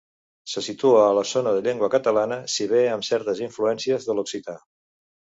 Se situa a la zona de llengua catalana si bé amb certes influències de l'occità.